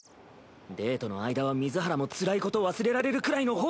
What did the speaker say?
デートの間は水原もつらいこと忘れられるくらいの方が。